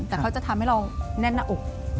แต่เขาจะทำให้เราแน่นหน้าอก